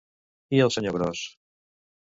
I el senyor gros?